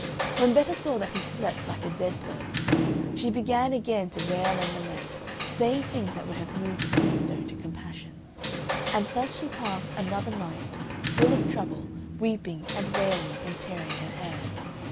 When Betta saw that he slept like a dead person, she began again to wail and lament, saying things that would have moved a flintstone to compassion; and thus she passed another night, full of trouble, weeping and wailing and tearing her hair.